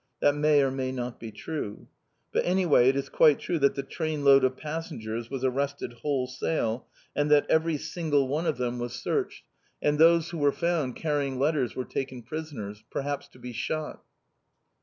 That may or may not be true. But anyway it is quite true that the train load of passengers was arrested wholesale, and that every single one of them was searched, and those who were found carrying letters were taken prisoners. Perhaps to be shot."